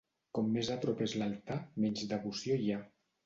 Com més a prop és l'altar, menys devoció hi ha.